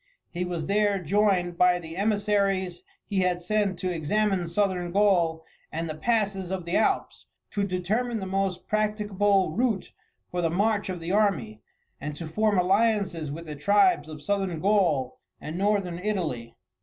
He was there joined by the emissaries he had sent to examine Southern Gaul and the passes of the Alps, to determine the most practicable route for the march of the army, and to form alliances with the tribes of Southern Gaul and Northern Italy.